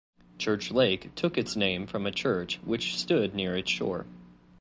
Church Lake took its name from a church which stood near its shore.